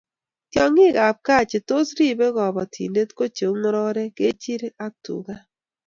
Tiongikab kaa che tos rib kobotindet ko chei ngororek, kechirek ak tuga